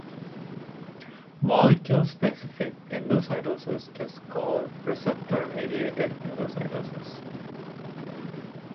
Molecule-specific endocytosis is called receptor-mediated endocytosis.